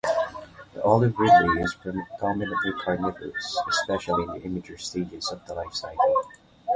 The olive ridley is predominantly carnivorous, especially in immature stages of the life cycle.